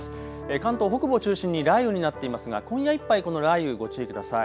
関東北部を中心に雷雨になっていますが今夜いっぱいこの雷雨、ご注意ください。